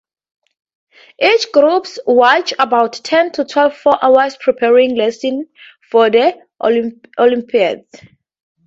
Each group watches about ten to twelve-four hour preparing lessons for the olympiad.